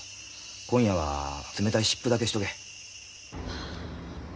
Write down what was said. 今夜は冷たい湿布だけしとけ。